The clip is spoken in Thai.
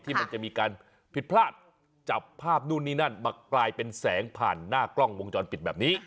มันจะมีการผิดพลาดจับภาพนู่นนี่นั่นมากลายเป็นแสงผ่านหน้ากล้องวงจรปิดแบบนี้